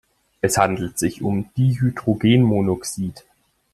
Es handelt sich um Dihydrogenmonoxid.